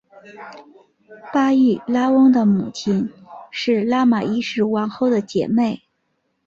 巴育拉翁的母亲是拉玛一世王后的姐妹。